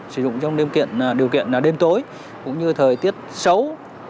sử dụng trong điều kiện đêm tối cũng như thời tiết xấu